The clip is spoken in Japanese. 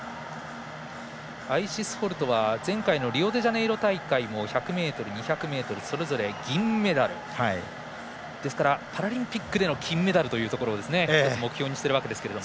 アイシス・ホルトは前回のリオデジャネイロ大会１００ｍ、２００ｍそれぞれ銀メダルですからパラリンピックの金メダルを目標にしているわけですけど。